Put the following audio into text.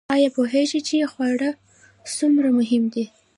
ایا پوهیږئ چې خواړه څومره مهم دي؟